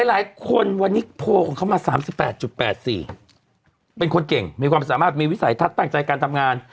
หลายคนวันนี้โพลของเขามา๓๘๘๔เป็นคนเก่งมีความสามารถมีวิสัยทัศน์ตั้งใจการทำงาน